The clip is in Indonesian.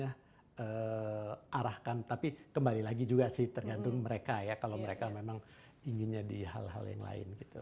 jadi kita harusnya arahkan tapi kembali lagi juga sih tergantung mereka ya kalau mereka memang inginnya di hal hal yang lain gitu